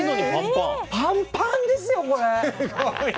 パンパンですよ、これ。